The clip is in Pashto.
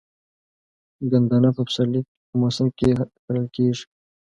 ګندنه په پسرلي موسم کې کرل کیږي.